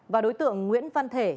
và đối tượng nguyễn văn thể